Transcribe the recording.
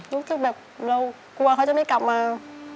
รู้สึกแบบเรากลัวเขาจะไม่กลับมา